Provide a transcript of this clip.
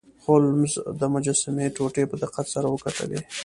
هولمز د مجسمې ټوټې په دقت سره وکتلې.